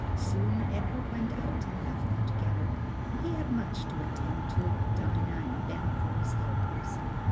Soon Edward went out and left them together. He had much to attend to, with Dinah and Ben for his helpers.